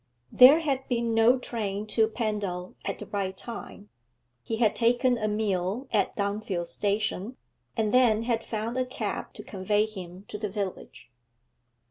There had been no train to Pendal at the right time; he had taken a meal at Dunfield station, and then had found a cab to convey him to the village.